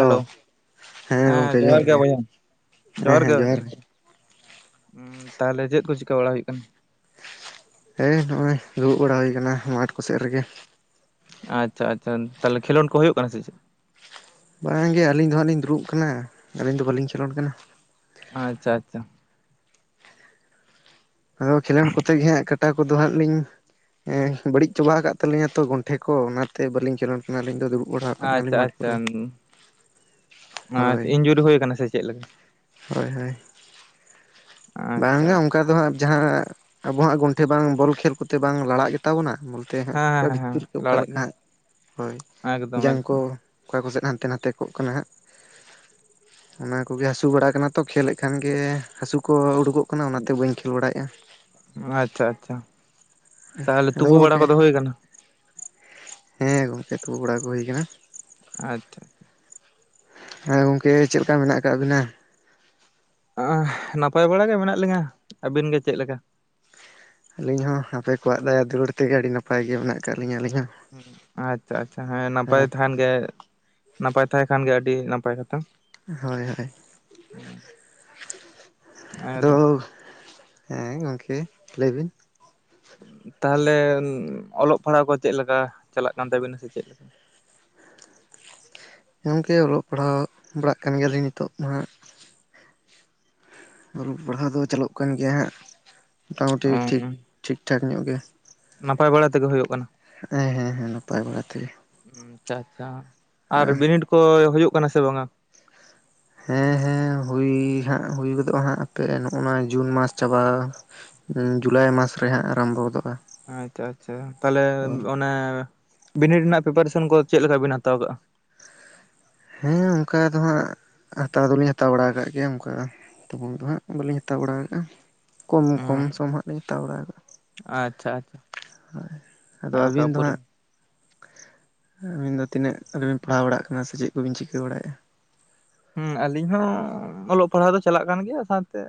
Hello, ᱦᱮᱸ ᱡᱚᱦᱟᱨ ᱜᱮ ᱵᱚᱭᱦᱟ ᱾ ᱡᱚᱦᱟᱨ ᱜᱮ ᱾ ᱩᱝ, ᱛᱟᱦᱚᱞᱮ ᱪᱮᱫ ᱠᱚ ᱪᱤᱠᱟᱹ ᱵᱟᱲᱟ ᱦᱩᱭᱩᱜ ᱠᱟᱱᱟ? ᱦᱮᱸ, ᱱᱚᱜᱼᱚᱭ ᱫᱩᱲᱩᱵ ᱵᱟᱲᱟ ᱦᱩᱭ ᱠᱟᱱᱟ ᱢᱟᱴᱷ ᱠᱚᱥᱮᱫ ᱨᱮᱜᱮ ᱾ ᱟᱪᱪᱷᱟ, ᱟᱪᱪᱷᱟ ᱛᱟᱦᱚᱞᱮ, ᱠᱷᱮᱞᱳᱰ ᱠᱚ ᱦᱩᱭᱩᱜ ᱠᱟᱱᱟ ᱥᱮ ᱪᱮᱫ? ᱵᱟᱝ ᱜᱮ, ᱟᱹᱞᱤᱧ ᱫᱚ ᱦᱟᱸᱟᱜ ᱞᱤᱧ ᱫᱩᱲᱩᱵ ᱟᱠᱟᱱᱟ ᱾ ᱟᱹᱞᱤᱧ ᱫᱚ ᱵᱟᱞᱤᱧ ᱠᱷᱮᱞᱳᱰ ᱠᱟᱱᱟ ᱾ ᱟᱪᱪᱷᱟ, ᱟᱪᱪᱷᱟ ᱾ ᱟᱫᱚ ᱠᱷᱮᱞᱳᱰ ᱠᱚᱛᱮ ᱜᱮ ᱦᱟᱸᱜ, ᱠᱟᱴᱟ ᱠᱚᱫᱚ ᱦᱟᱸᱜ ᱞᱤᱧ ᱦᱮᱸ, ᱵᱟᱹᱲᱤᱡ ᱪᱟᱵᱟ ᱟᱠᱟᱫ ᱛᱟᱞᱤᱧ ᱛᱚ ᱜᱚᱱᱴᱷᱮ ᱠᱚ, ᱚᱱᱟᱛᱮ ᱵᱟᱹᱞᱤᱧ ᱠᱷᱮᱞᱚ ᱟᱞᱤᱧ ᱫᱚ, ᱫᱩᱲᱩᱵ ᱵᱟᱲᱟ ᱦᱟᱠᱟᱱ ᱜᱮᱭᱟ ᱟᱪᱪᱷᱟ ᱞᱤᱧ ᱢᱟᱴᱷ ᱠᱚᱨᱮ ᱾ ᱟᱨ ᱪᱮᱫ? ᱤᱱᱡᱩᱨᱤ ᱦᱩᱭ ᱟᱠᱟᱱᱟ, ᱥᱮ ᱪᱮᱫ ᱞᱮᱠᱟ? ᱦᱳᱭ ᱦᱳᱭ, ᱟᱪᱪᱷᱟ ᱵᱟᱝᱼᱟ, ᱟᱪᱪᱷᱟ ᱚᱱᱠᱟ ᱫᱚ ᱦᱟᱜ ᱾ ᱡᱟᱦᱟᱸ, ᱟᱵᱚᱣᱟᱜ ᱜᱚᱱᱴᱷᱮ ᱵᱟᱝ, ᱵᱚᱞ ᱠᱷᱮᱞ ᱠᱚᱛᱮ ᱵᱟᱝ ᱞᱟᱲᱟᱜ ᱜᱮ ᱛᱟᱵᱚᱱᱟ ᱛᱮ ᱦᱟᱸᱜ, ᱦᱮᱸ ᱚᱠᱟ ᱦᱮᱸ ᱦᱮᱸ ᱵᱷᱤᱛᱤᱨ ᱠᱚ ᱚᱠᱟ ᱞᱟᱲᱟᱜ ᱞᱮᱠᱟ ᱜᱮᱭᱟ ᱦᱟᱸᱜ ᱾ ᱦᱳᱭ, ᱮᱠᱫᱚᱢ ᱡᱟᱝᱠᱚ ᱮᱠᱫᱚᱢ ᱚᱠᱟ ᱠᱚ ᱥᱮᱫ, ᱦᱟᱱᱛᱮ ᱱᱟᱛᱮ ᱠᱚᱜ ᱠᱟᱱᱟ ᱦᱟᱸᱜ ᱾ ᱚᱱᱟ ᱠᱚᱜᱮ ᱦᱟᱹᱥᱩ ᱵᱟᱲᱟ ᱠᱟᱱᱟ ᱛᱚ, ᱠᱷᱮᱞᱮᱫ ᱠᱷᱟᱱ ᱜᱮ, ᱦᱟᱹᱥᱩ ᱠᱚ ᱩᱰᱩᱠᱚᱜ ᱠᱟᱱᱟ ᱾ ᱚᱱᱟᱛᱮ ᱵᱟᱹᱧ ᱠᱷᱮᱞ ᱵᱟᱲᱟᱭᱮᱫ ᱾ ᱟᱪᱪᱷᱟ, ᱟᱪᱪᱷᱟ, ᱛᱟᱦᱞᱮ ᱟᱫᱚ ᱛᱩᱯᱩ ᱵᱟᱲᱟ ᱜᱚᱝᱠᱮ ᱠᱚᱫᱚ ᱦᱩᱭ ᱟᱠᱟᱱᱟ? ᱦᱮᱸ ᱜᱚᱢᱠᱮ, ᱛᱩᱯᱩ ᱵᱟᱲᱟ ᱠᱚ ᱦᱩᱭ ᱠᱟᱱᱟ ᱾ ᱟᱪᱪᱷᱟ ᱾ ᱦᱮᱸ ᱜᱚᱢᱠᱮ, ᱪᱮᱫ ᱞᱮᱠᱟ ᱢᱮᱱᱟᱜ ᱟᱠᱟᱟᱜ ᱵᱤᱱᱟ? ᱦᱟᱸᱻᱦ, ᱱᱟᱯᱟᱭ ᱵᱟᱲᱟ ᱜᱮ ᱢᱮᱱᱟᱜ ᱞᱤᱧᱟᱹ ᱾ ᱟᱹᱵᱤᱱ ᱜᱮ ᱪᱮᱫ ᱞᱮᱠᱟ? ᱟᱹᱞᱤᱧ ᱦᱚᱸ, ᱟᱯᱮ ᱠᱚᱣᱟᱜ ᱫᱟᱭᱟ ᱫᱩᱞᱟᱹᱲ ᱛᱮᱜᱮ, ᱟᱹᱰᱤ ᱱᱟᱯᱟᱭ ᱜᱮ ᱢᱮᱱᱟᱜ ᱟᱠᱟᱫ ᱞᱤᱧᱟᱹ, ᱟᱹᱞᱤᱧ ᱦᱚᱸ᱾ ᱦᱩᱸᱦᱩᱹ, ᱟᱪᱪᱷᱟ ᱟᱪᱪᱷᱟ, ᱦᱮᱸ ᱱᱟᱯᱟᱭ ᱛᱟᱦᱮᱱ ᱜᱮ, ᱱᱟᱯᱟᱭ ᱛᱟᱦᱮᱸ ᱠᱷᱟᱱ ᱜᱮ, ᱟᱹᱰᱤ ᱱᱟᱯᱟᱭ ᱠᱟᱛᱷᱟ ᱾ ᱦᱳᱭ ᱦᱳᱭ, ᱦᱻᱟᱻᱦ, ᱮᱠᱫᱚᱢ ᱟᱫᱚ ᱦᱮᱸ, ᱜᱚᱢᱠᱮ ᱞᱟᱹᱭ ᱵᱤᱱ? ᱛᱟᱦᱚᱞᱮ, ᱚᱞᱚᱜ ᱯᱟᱲᱦᱟᱣ ᱠᱚ ᱪᱮᱫ ᱞᱮᱠᱟ, ᱪᱟᱞᱟᱜ ᱠᱟᱱ ᱛᱟᱹᱵᱤᱱᱟ, ᱥᱮ ᱪᱮᱫ ᱞᱮᱠᱟ? ᱜᱚᱝᱠᱮ, ᱚᱞᱚᱜ ᱯᱟᱲᱦᱟᱣ ᱵᱟᱲᱟᱜ ᱠᱟᱱ ᱜᱮᱭᱟᱞᱤᱧ ᱱᱤᱛᱚᱜ ᱢᱟ ᱦᱟᱜ ᱾ ᱚᱞᱚᱜ ᱯᱟᱲᱦᱟᱣ ᱫᱚ ᱪᱟᱹᱞᱩᱜ ᱠᱟᱱ ᱜᱮᱭᱟ ᱦᱟᱸᱜ, ᱢᱚᱴᱟᱢᱩᱴᱤ ᱴᱷᱤᱠ, ᱴᱷᱤᱠ ᱴᱷᱟᱠ ᱧᱚᱜ ᱜᱮ ᱱᱟᱯᱟᱭ ᱵᱟᱲᱟ ᱛᱮᱜᱮ ᱦᱩᱭᱩᱜ ᱠᱟᱱᱟ ᱾ ᱦᱻᱜ, ᱦᱮᱸ, ᱦᱮ-ᱦᱮᱸ, ᱱᱟᱯᱟᱭ ᱵᱟᱲᱟ ᱛᱮᱜᱮ ᱾ ᱦᱩᱢ, ᱟᱪᱪᱷᱟ ᱟᱪᱪᱷᱟ, ᱟᱨ ᱵᱤᱱᱤᱰ ᱠᱚ ᱦᱩᱭᱩᱜ ᱠᱟᱱᱟ ᱥᱮ ᱵᱟᱝᱟ? ᱦᱮᱸ-ᱦᱮᱸ, ᱦᱩᱭ ᱦᱟᱸᱜ, ᱦᱩᱭ ᱜᱚᱫᱚᱜᱼᱟ ᱦᱟᱸᱜ, ᱦᱟᱯᱮ ᱱᱚᱜᱼᱱᱚᱣᱟ ᱡᱩᱱ ᱢᱟᱥ ᱪᱟᱵᱟ ᱡᱩᱞᱟᱭ ᱢᱟᱥ ᱨᱮ ᱦᱟᱸᱜ, ᱟᱨᱟᱢᱵᱷᱚ ᱜᱚᱫᱚᱜᱼᱟ ᱾ ᱟᱪᱪᱷᱟ ᱟᱪᱪᱷᱟ, ᱛᱟᱦᱚᱞᱮ ᱚᱱᱮ ᱵᱤᱱᱤᱰ ᱨᱮᱱᱟᱜ ᱯᱨᱮᱯᱽᱟᱨᱮᱥᱚᱱ ᱠᱚᱫᱚ ᱪᱮᱫ? ᱞᱮᱠᱟ ᱵᱤᱱ ᱦᱟᱛᱟᱣ ᱟᱠᱟᱜᱼᱟ ᱾ ᱦᱮᱸ, ᱚᱱᱠᱟ ᱫᱚ ᱦᱟᱸᱜ, ᱦᱟᱛᱟᱣ ᱫᱚᱞᱤᱧ, ᱦᱟᱛᱟᱣ ᱵᱟᱲᱟ ᱟᱠᱟᱫ ᱜᱮᱭᱟ ᱚᱱᱠᱟ ᱫᱚ ᱾ ᱛᱚᱠᱷᱚᱱ ᱫᱚ ᱦᱟᱸᱜ, ᱵᱟᱹᱞᱤᱧ ᱦᱟᱛᱟᱣ ᱵᱟᱲᱟ ᱟᱠᱟᱜᱼᱟ ᱾ ᱠᱚᱢ, ᱠᱚᱢ ᱥᱚᱢ ᱦᱟᱸᱜ ᱞᱤᱧ ᱦᱟᱛᱟᱣ ᱵᱟᱲᱟ ᱟᱠᱟᱜᱼᱟ ᱾ ᱟᱪᱪᱷᱟ, ᱟᱪᱪᱷᱟ ᱾ ᱦᱳᱭ, ᱟᱫᱚ ᱟᱹᱵᱤᱱ ᱫᱚ ᱦᱟᱸᱜ? ᱟ. ᱵᱤᱱ ᱫᱚ ᱛᱤᱱᱟᱹᱜ? ᱨᱮᱵᱤᱱ ᱯᱟᱲᱦᱟᱣ ᱵᱟᱲᱟᱜ ᱠᱟᱱᱟ, ᱥᱮ ᱪᱮᱫ ᱠᱚᱵᱤᱱ ᱪᱤᱠᱟᱹ? ᱵᱟᱲᱟᱭᱮᱫᱼᱟ ᱾ ᱦᱩᱸᱼ, ᱟᱞᱤᱧ ᱦᱚᱸ ᱚᱞᱚᱜ ᱯᱟᱲᱦᱟᱣ ᱫᱚ ᱪᱟᱞᱟᱜ ᱠᱟᱱ ᱜᱮᱭᱟ, ᱥᱟᱶᱛᱮ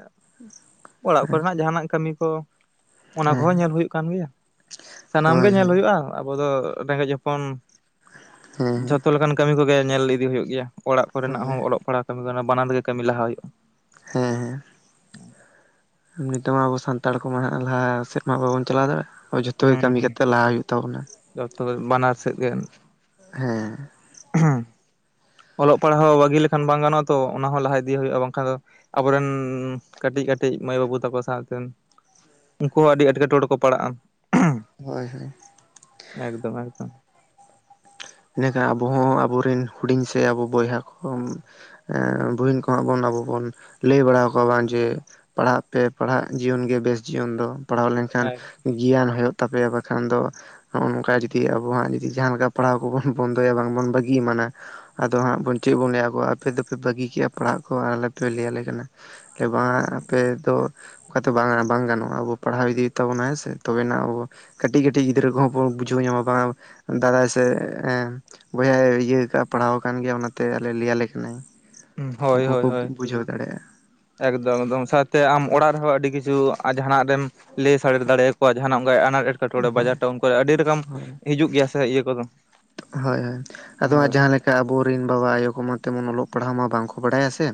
ᱚᱲᱟᱜ ᱟᱪᱪᱷᱟ ᱠᱚᱨᱮᱱᱟᱜ ᱡᱟᱦᱟᱱᱟᱜ ᱠᱟᱹᱢᱤ ᱠᱚ ᱚᱱᱟ ᱦᱮᱸ ᱠᱚᱦᱚᱸ ᱧᱮᱞ ᱦᱳᱭᱳᱜ ᱠᱟᱱ ᱜᱮᱭᱟ, ᱥᱟᱱᱟᱢ ᱜᱮ ᱦᱳᱭ ᱧᱮᱞ ᱦᱳᱭ ᱦᱩᱭᱩᱜᱜᱼᱟ, ᱟᱵᱚ ᱫᱚ ᱨᱮᱸᱜᱮᱡ ᱦᱚᱯᱽ ᱯᱚᱱ, ᱦᱮᱸ ᱦᱮᱸ ᱡᱷᱚᱛᱚ ᱞᱮᱠᱟᱱ ᱠᱟᱹᱢᱤ ᱠᱚᱜᱮ ᱧᱮᱞ ᱤᱫᱤ ᱦᱩᱭᱩᱜ ᱜᱮᱭᱟ ᱾ ᱚᱲᱟᱜ ᱠᱚᱨᱮᱱᱟᱜ ᱦᱳᱭ ᱦᱚᱸ ᱾ ᱚᱞᱚᱜ ᱯᱟᱲᱦᱟᱜ ᱠᱟᱹᱢᱤ ᱫᱚ ᱱᱷᱟᱜ ᱵᱟᱱᱟᱨ ᱜᱮ, ᱠᱟᱹᱢᱤ ᱞᱟᱦᱟ ᱦᱩᱭᱩᱜᱼᱟ ᱾ ᱦᱮᱸ ᱦᱮᱸ᱾ ᱱᱤᱛᱚᱜ ᱢᱟ ᱟᱵᱚ ᱥᱟᱱᱛᱟᱲ ᱠᱚᱢᱟ ᱦᱟᱜ ᱞᱟᱦᱟ ᱥᱮᱫ ᱢᱟ ᱵᱟᱵᱚᱱ ᱪᱟᱞᱟᱣ ᱫᱟᱲᱮᱭᱟᱜᱼᱟ᱾ ᱦᱮᱸ ᱡᱚᱛᱚ ᱜᱮ ᱠᱟᱹᱢᱤ ᱦᱩᱸ ᱠᱟᱛᱮᱜ ᱞᱟᱦᱟ ᱦᱩᱭᱩᱜ ᱛᱟᱵᱚᱱᱟ᱾ ᱡᱚᱛᱚ ᱜᱮ ᱵᱟᱱᱟᱨ ᱥᱮᱫ ᱜᱮ᱾ ᱦᱮᱸ᱾ ᱦᱮᱸ ᱚᱞᱚᱜ ᱯᱟᱲᱦᱟᱜ ᱦᱚᱸ ᱵᱟᱹᱜᱤ ᱞᱮᱠᱷᱟᱱ ᱵᱟᱝ ᱜᱟᱱᱚᱜᱼᱟ, ᱛᱚ ᱚᱱᱟ ᱦᱚᱸ ᱞᱟᱦᱟ ᱤᱫᱤᱭᱮ ᱦᱩᱭᱩᱜᱼᱟ, ᱵᱟᱝᱠᱷᱟᱱ ᱫᱚᱼᱼ ᱟᱵᱚᱨᱮᱱ ᱠᱟᱹᱴᱤᱡ ᱠᱟᱹᱴᱤᱡ ᱢᱟᱹᱭ ᱵᱟᱹᱵᱩ ᱛᱟᱠᱚ ᱥᱟᱶᱛᱮ᱾ ᱩᱱᱠᱩ ᱦᱚᱸ ᱟᱹᱰᱤ ᱮᱴᱠᱮᱴᱚᱬᱮ ᱠᱚ ᱯᱟᱲᱟᱜᱼᱟ᱾ ᱦᱳᱭ ᱦᱳᱭ᱾ ᱮᱠᱫᱚᱢ ᱮᱠᱫᱚᱢ᱾ ᱤᱱᱟᱠᱷᱟᱱ ᱟᱵᱚ ᱦᱚᱸ ᱟᱵᱩᱨᱮᱱ ᱦᱩᱰᱤᱧ ᱥᱮ ᱟᱵᱩ ᱵᱚᱭᱦᱟ ᱠᱚ ᱠᱚ ᱵᱩᱦᱤᱱ ᱠᱚᱼᱼ ᱦᱚᱲ ᱵᱚᱱ ᱟᱵᱚ ᱵᱚᱱ ᱞᱟᱹᱭ ᱵᱟᱲᱟ ᱟᱠᱚᱣᱟ ᱵᱟᱝ ᱡᱮᱼᱼ ᱯᱟᱲᱦᱟᱜ ᱯᱮ ᱯᱟᱲᱦᱟᱜ ᱡᱤᱭᱚᱱ ᱜᱮ ᱵᱮᱥ ᱡᱤᱭᱚᱱ ᱫᱚ ᱯᱟᱲᱦᱟᱣ ᱞᱮᱱᱠᱷᱟᱱᱼᱼ ᱜᱤᱭᱟᱱ ᱦᱩᱭᱩᱜ ᱛᱟᱯᱮᱭᱟ ᱵᱟᱠᱷᱟᱱ ᱫᱚ ᱦᱚᱜᱼᱚ ᱱᱚᱝᱠᱟ ᱡᱩᱫᱤ ᱟᱵᱚᱣᱟᱜ ᱡᱩᱫᱤ ᱡᱟᱦᱟ ᱞᱮᱠᱟ ᱯᱟᱲᱦᱟᱣ ᱠᱚᱵᱚᱱᱼᱼ ᱵᱚᱱᱫᱚᱭᱟ ᱵᱟᱝᱵᱚᱱ ᱵᱟᱹᱜᱤ ᱮᱢᱟᱱᱟᱼᱼ ᱟᱫᱚ ᱦᱟᱸᱜ ᱵᱚᱱ ᱪᱮᱫ ᱵᱚᱱ ᱞᱟᱹᱭᱟ ᱟᱵᱚ ᱟᱯᱮ ᱫᱚᱯᱮ ᱵᱟᱹᱜᱤ ᱠᱮᱜᱼᱟ ᱯᱟᱲᱦᱟᱜ ᱠᱚ ᱟᱞᱮ ᱯᱮ ᱞᱟᱹᱭ ᱟᱞᱮ ᱠᱟᱱᱟ᱾ ᱵᱟᱝ ᱟᱯᱮ ᱫᱚᱼᱼ ᱚᱠᱟᱛᱮ ᱵᱟᱝ ᱵᱟᱝ ᱜᱟᱱᱚᱜᱼᱟ, ᱟᱵᱚ ᱯᱟᱲᱦᱟᱣ ᱤᱫᱤ ᱦᱩᱭᱩᱜ ᱛᱟᱵᱚᱱᱟ ᱦᱮᱸᱥᱮ ᱛᱚᱵᱮᱱᱟᱜ ᱟᱵᱚ ᱵᱚᱼᱼ ᱠᱟᱹᱴᱤᱡ ᱠᱟᱹᱴᱤᱡ ᱜᱤᱫᱽᱨᱟᱹ ᱠᱚᱦᱚᱸ ᱠᱚ ᱵᱩᱡᱷᱟᱹᱣ ᱧᱟᱢᱟ ᱵᱟᱝ ᱫᱟᱨᱟᱭ ᱥᱮᱼᱼ ᱵᱚᱭᱦᱟᱭ ᱤᱭᱟᱹ ᱠᱟᱜᱼᱟ ᱯᱟᱲᱦᱟᱣ ᱟᱠᱟᱱ ᱜᱮᱭᱟ ᱚᱱᱟᱛᱮ ᱟᱞᱮᱭ ᱞᱟᱹᱭ ᱟᱞᱮ ᱠᱟᱱᱟᱭ᱾ ᱦᱳᱭ ᱩᱱᱠᱩ ᱠᱚ ᱦᱳᱭ ᱦᱳᱭ᱾ ᱵᱩᱡᱷᱟᱹᱣ ᱫᱟᱲᱮᱭᱟᱜᱼᱟ ᱮᱠᱫᱚᱢ ᱮᱠᱫᱚᱢ ᱥᱟᱶᱛᱮ ᱟᱢ ᱚᱲᱟᱜ ᱨᱮᱦᱚᱸ ᱟᱹᱰᱤ ᱠᱤᱪᱷᱩ ᱟᱨ ᱡᱟᱦᱟᱱᱟᱜ ᱨᱮᱢᱼᱼ ᱞᱟᱹᱭ ᱥᱟᱲᱮᱨ ᱫᱟᱲᱮᱭᱟᱠᱚᱣᱟ, ᱡᱟᱦᱟᱱᱟᱜ ᱚᱱᱠᱟ ᱟᱱᱟᱴ ᱮᱴ ᱮᱴᱠᱮᱴᱚᱬᱮ ᱦᱳᱭ ᱵᱟᱡᱟᱨ ᱴᱟᱣᱩᱱ ᱠᱚᱨᱮ ᱟᱹᱰᱤ ᱨᱚᱠᱚᱢ ᱦᱳᱭ ᱦᱤᱡᱩᱜ ᱜᱮᱭᱟ ᱥᱮ ᱤᱭᱟᱹ ᱠᱚᱫᱚ᱾ ᱦᱳᱭ ᱦᱳᱭ, ᱟᱫᱚ ᱦᱟᱜ ᱦᱳᱭ ᱡᱟᱦᱟᱸ ᱞᱮᱠ ᱠᱟ ᱟᱵᱚᱨᱮᱱ ᱵᱟᱵᱟ ᱟᱭᱳ ᱠᱚᱢᱟ ᱛᱮᱢᱚᱱ ᱚᱞᱚᱜ ᱯᱟᱲᱦᱟᱣ ᱢᱟ ᱵᱟᱝᱠᱚ ᱵᱟᱲᱟᱭᱟ ᱥᱮᱼᱼ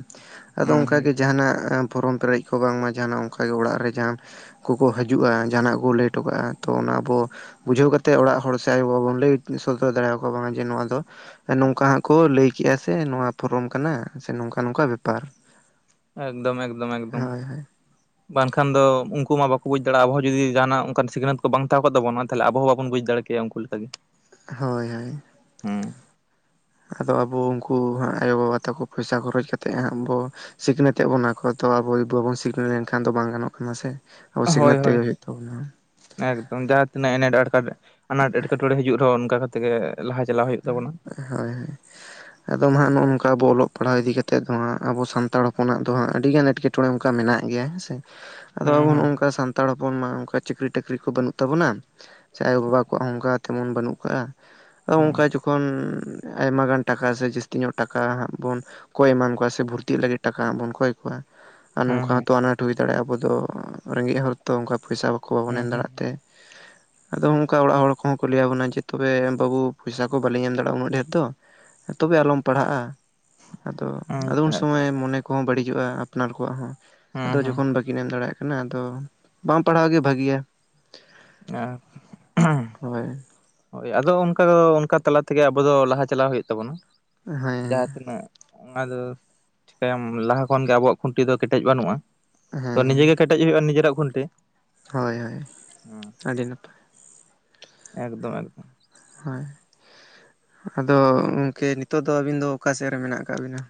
ᱟᱫᱚ ᱦᱩᱸ ᱚᱱᱠᱟ ᱦᱩᱸ ᱜᱮ ᱡᱟᱦᱟᱱᱟᱜ ᱯᱷᱚᱨᱚᱢ ᱯᱮᱨᱮᱡ ᱠᱚ ᱵᱟᱝᱢᱟ ᱡᱟᱦᱟᱱᱟᱜ ᱚᱱᱠᱟ ᱜᱮ ᱚᱲᱟᱜ ᱨᱮ ᱡᱟᱦᱟᱼᱼ ᱠᱚᱠᱚ ᱦᱤᱡᱩᱜᱼᱟ, ᱡᱟᱦᱟᱱᱟᱜ ᱠᱚ ᱞᱟᱹᱭ ᱚᱴᱚ ᱠᱟᱜᱼᱟ ᱛᱚ ᱚᱱᱟ ᱟᱵᱚᱼᱼ ᱵᱩᱡᱷᱟᱹᱣ ᱠᱟᱛᱮᱫ ᱚᱲᱟᱜ ᱦᱚᱲ ᱥᱮ ᱟᱭᱳᱼᱵᱟᱵᱟ ᱵᱚᱱ ᱞᱟᱹᱭ ᱥᱚᱫᱚᱨ ᱫᱟᱲᱮᱭᱟᱠᱚᱣᱟ ᱵᱟᱝᱟ ᱡᱮ ᱱᱚᱣᱟ ᱫᱚᱼᱼ ᱱᱚᱝᱠᱟ ᱦᱟᱸᱜ ᱠᱚ ᱞᱟᱹᱭ ᱠᱮᱜᱼᱟ, ᱥᱮ ᱱᱚᱣᱟ ᱯᱷᱚᱨᱚᱢ ᱠᱟᱱᱟ ᱥᱮ ᱱᱚᱝᱠᱟ ᱱᱚᱝᱠᱟ ᱵᱮᱯᱟᱨ᱾ ᱮᱠᱫᱚᱢ ᱮᱠᱫᱚᱢ ᱮᱠᱫᱚᱢ᱾ ᱦᱳᱭ ᱦᱳᱭ ᱵᱟᱝᱠᱷᱟᱱ ᱫᱚ ᱩᱱᱠᱩ ᱢᱟ ᱵᱟᱠᱚ ᱵᱩᱡᱽ ᱫᱟᱲᱮᱜᱼᱟ, ᱟᱵᱚᱸ ᱦᱚ ᱡᱩᱫᱤ ᱡᱟᱦᱱᱟᱜ ᱚᱱᱠᱟᱱ ᱥᱤᱠᱷᱱᱟᱹᱛ ᱠᱚ ᱵᱟᱝ ᱛᱟᱦᱮᱸ ᱠᱚᱜ ᱛᱟᱵᱚᱱᱟ ᱛᱟᱦᱞᱮ ᱟᱵᱚ ᱦᱚᱸ ᱵᱟᱵᱚᱱ ᱠᱚ ᱛᱟᱵᱚᱱᱟ ᱵᱩᱡᱽ ᱫᱟᱲᱮ ᱠᱮᱭᱟ ᱩᱱᱠᱩ ᱞᱮᱠᱟ ᱜᱮᱼᱼ ᱦᱳᱭ ᱦᱳᱭ᱾ ᱦᱩᱸ᱾ ᱟᱫᱚ ᱟᱵᱚ ᱩᱱᱠᱩ ᱦᱟᱜ ᱟᱭᱳᱼᱵᱟᱵᱟ ᱛᱟᱠᱚ ᱯᱚᱭᱥᱟ ᱠᱷᱚᱨᱚᱪ ᱠᱟᱛᱮᱫ ᱦᱟᱸᱜ ᱟᱵᱚᱼᱼ ᱥᱤᱠᱷᱱᱟᱹᱛ ᱮᱜ ᱵᱚᱱᱟ ᱠᱚ ᱛᱚ ᱟᱵᱚ ᱵᱟᱵᱚᱱ ᱥᱤᱠᱷᱱᱟᱹᱛ ᱞᱮᱱᱠᱷᱟᱱ ᱫᱚ ᱵᱟᱝ ᱜᱟᱱᱚᱜ ᱠᱟᱱᱟ ᱥᱮ᱾ ᱟᱵᱚ ᱦᱳᱭ ᱥᱤᱠᱷᱱᱟᱹᱛ ᱛᱮᱜᱮ ᱦᱳᱭ ᱦᱩᱭᱩᱜ ᱛᱟᱵᱚᱱᱟ᱾ ᱮᱠᱫᱚᱢ ᱡᱟᱦᱟᱸ ᱛᱤᱱᱟᱹᱜ ᱮᱱᱮᱴ ᱟᱴ ᱟᱱᱟᱴ ᱮᱴᱠᱮᱴᱚᱬᱮ ᱦᱤᱡᱩᱜ ᱨᱮᱦᱚᱸ ᱚᱱᱠᱟ ᱠᱟᱛᱮᱜ ᱜᱮ ᱞᱟᱦᱟ ᱪᱟᱞᱟᱣ ᱦᱩᱭᱩᱜ ᱛᱟᱵᱚᱱᱟ᱾ ᱦᱳᱭ ᱦᱳᱭ᱾ ᱟᱫᱚ ᱢᱟ ᱦᱟᱸᱜ ᱱᱚᱜᱼᱚ ᱱᱚᱝᱠᱟ ᱟᱵᱚ ᱚᱞᱚᱜ ᱯᱟᱲᱦᱟᱣ ᱤᱫᱤ ᱠᱟᱛᱮᱫ ᱫᱚ ᱦᱟᱸᱜ ᱟᱵᱚ ᱥᱟᱱᱛᱟᱲ ᱦᱚᱯᱚᱱᱟᱜ ᱫᱚ ᱦᱟᱸᱜ ᱟᱹᱰᱤᱜᱟᱱ ᱮᱴᱠᱮᱼᱼ ᱴᱚᱬᱮ ᱚᱱᱠᱟ ᱢᱮᱱᱟᱜ ᱜᱮᱭᱟ ᱦᱮᱸ ᱥᱮ ᱟᱫᱚ ᱦᱩᱸ ᱟᱵᱚ ᱱᱚᱜ-ᱚ ᱦᱩᱸ ᱱᱚᱝᱠᱟ ᱥᱟᱱ ᱛᱟᱲ ᱦᱚᱯᱚᱱ ᱢᱟ ᱚᱱᱠᱟ ᱪᱟᱹᱠᱨᱤ ᱴᱟᱹᱠᱨᱤ ᱠᱚ ᱵᱟᱹᱱᱩᱜ ᱛᱟᱵᱚᱱᱟ᱾ ᱥᱮ ᱟᱭᱳᱼᱵᱟᱵᱟ ᱠᱚᱣᱟᱜ ᱦᱚᱸ ᱚᱱᱠᱟ ᱛᱮᱢᱚᱱ ᱵᱟᱹᱱᱩᱜ ᱠᱟᱜᱼᱟ᱾ ᱟᱫᱚ ᱦᱩᱸ᱾ ᱚᱱᱠᱟ ᱡᱚᱠᱷᱚᱱ ᱟᱭᱢᱟ ᱜᱟᱱ ᱴᱟᱠᱟ ᱥᱮ ᱡᱟᱹᱥᱛᱤ ᱧᱚᱜ ᱴᱟᱠᱟ ᱦᱟᱸᱜ ᱵᱚᱱᱼᱼ ᱠᱚᱭ ᱮᱢᱟᱱ ᱠᱚᱣᱟ ᱥᱮ ᱵᱷᱚᱨᱛᱤᱜ ᱞᱟᱹᱜᱤᱫ ᱴᱟᱠᱟ ᱦᱟᱸᱜ ᱵᱚᱱ ᱠᱚᱭ ᱠᱚᱣᱟ᱾ ᱟᱨ ᱱᱚᱝᱠᱟ ᱦᱩᱸ ᱦᱚᱸᱛᱚ ᱟᱱᱟᱴ ᱦᱩᱭ ᱫᱟᱲᱮᱜᱼᱟ, ᱟᱵᱚ ᱫᱚ ᱨᱮᱸᱜᱮᱡ ᱦᱚᱲ ᱛᱚ ᱚᱱᱠᱟ ᱯᱚᱭᱥᱟ ᱵᱟᱠᱚ ᱠᱚ ᱵᱟᱵᱚᱱ ᱦᱩᱸ ᱮᱢ ᱦᱩᱸ ᱫᱟᱲᱮᱭᱟᱜ ᱛᱮ ᱦᱩᱸ ᱟᱫᱚ ᱚᱱᱠᱟ ᱚᱲᱟᱜ ᱦᱚᱲ ᱠᱚᱦᱚᱸ ᱠᱚ ᱞᱟᱹᱭᱟ ᱵᱚᱱᱟ ᱡᱮ ᱛᱚᱵᱮ ᱵᱟᱹᱵᱩᱼᱼ ᱯᱚᱭᱥᱟ ᱠᱚ ᱵᱟᱞᱤᱧ ᱮᱢ ᱫᱟᱲᱮᱜᱼᱟ ᱩᱱᱟᱹᱜ ᱰᱷᱮᱨ ᱫᱚ ᱛᱚᱵᱮ ᱟᱞᱚᱢ ᱯᱟᱲᱦᱟᱜᱼᱟ᱾ ᱟᱫᱚ ᱟᱫᱚ ᱩᱱ ᱟᱪᱪᱷᱟ ᱟᱪᱪᱷᱟ ᱥᱚᱢᱚᱭ ᱢᱚᱱᱮ ᱠᱚᱦᱚᱸ ᱵᱟᱹᱲᱤᱡᱚᱜᱼᱟ, ᱟᱯᱱᱟᱨ ᱠᱚᱣᱟᱜ ᱦᱚᱸ ᱟᱫᱚ ᱦᱩᱸ ᱡᱚᱠᱷᱚᱱ ᱵᱟᱠᱤᱱ ᱮᱢ ᱫᱟᱲᱮᱭᱟᱜ ᱠᱟᱱᱟ, ᱟᱫᱚ ᱵᱟᱝ ᱯᱟᱲᱦᱟᱣ ᱜᱮ ᱵᱷᱟᱹᱜᱤᱭᱟ᱾ ᱟᱸ ᱦᱳᱭ᱾ ᱦᱳᱭ! ᱟᱫᱚ ᱚᱱᱠᱟ ᱫᱚ ᱚᱱᱠᱟ ᱛᱟᱞᱟ ᱛᱮᱜᱮ ᱟᱵᱚ ᱫᱚ ᱞᱟᱦᱟ ᱪᱟᱞᱟᱣ ᱦᱩᱭᱩᱜ ᱛᱟᱵᱚᱱᱟ, ᱦᱮᱸ ᱡᱟᱦᱟᱸ ᱛᱤᱱᱟᱹᱜ ᱚᱱᱟ ᱫᱚ ᱪᱤᱠᱟᱹᱭᱟᱢ ᱞᱟᱦᱟ ᱠᱷᱚᱱ ᱜᱮ ᱟᱵᱚᱣᱟᱜ ᱠᱷᱩᱸᱴᱤ ᱫᱚ ᱠᱮᱴᱮᱡ ᱵᱟᱹᱱᱩᱜᱼᱟ ᱛᱚ᱾ ᱦᱮᱸ ᱱᱤᱡᱮ ᱜᱮ ᱠᱮᱴᱮᱡ ᱦᱩᱭᱩᱜᱼᱟ, ᱱᱤᱡᱮᱨᱟᱜ ᱠᱷᱩᱱᱴᱤ᱾ ᱦᱳᱭ ᱦᱳᱭ, ᱦᱩᱸ ᱟᱹᱰᱤ ᱱᱟᱯᱟᱭ ᱮᱠᱫᱚᱢ ᱮᱠᱫᱚᱢ᱾ ᱦᱳᱭ ᱟᱫᱚ ᱜᱚᱢᱠᱮ ᱱᱤᱛᱚᱜ ᱫᱚ ᱟᱹᱵᱤᱱ ᱫᱚ ᱚᱠᱟ ᱥᱮᱫ ᱨᱮ ᱢᱮᱱᱟᱜ ᱟᱠᱟᱜ ᱵᱤᱱᱟ?